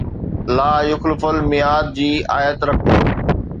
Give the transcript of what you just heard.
”لا يخلف المياد“ جي آيت رکو.